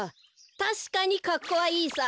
たしかにかっこはいいさ。